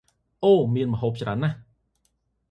អូរ!! មានម្ហូបច្រើនណាស់!